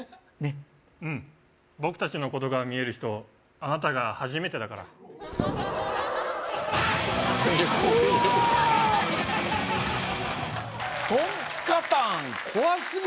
ねっうん僕達のことが見える人あなたが初めてだから怖っ！